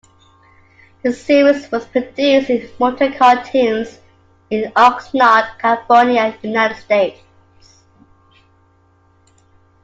The series was produced by Modern Cartoons in Oxnard, California, United States.